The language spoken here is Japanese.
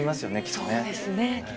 そうですね。